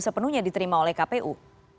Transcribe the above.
sepenuhnya diterima oleh kpu